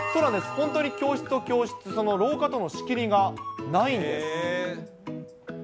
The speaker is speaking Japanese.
本当に教室と教室、廊下との仕切りがないんです。